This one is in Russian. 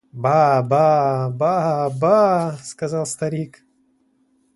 – Ба, ба, ба, ба! – сказал старик.